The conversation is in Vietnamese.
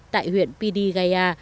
tại huyện pidigaya